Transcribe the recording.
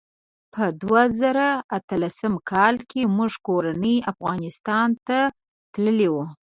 په دوه زره اتلسم کال کې موږ کورنۍ افغانستان ته تللي وو.